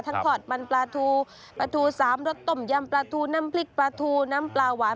ถอดมันปลาทูปลาทูสามรสต้มยำปลาทูน้ำพริกปลาทูน้ำปลาหวาน